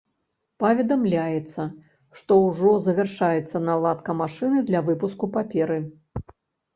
Паведамляецца, што ўжо завяршаецца наладка машыны для выпуску паперы.